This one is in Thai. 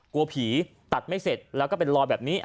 กลัวผีตัดไม่เสร็จแล้วก็เป็นรอยแบบนี้